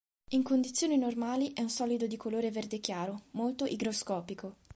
In condizioni normali è un solido di colore verde chiaro, molto igroscopico.